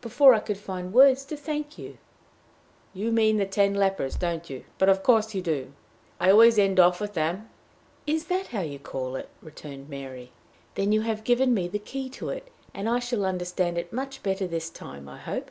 before I could find words to thank you!" "You mean the ten lepers, don't you?" he said. "But of course you do. I always end off with them." "Is that how you call it?" returned Mary. "Then you have given me the key to it, and I shall understand it much better this time, I hope."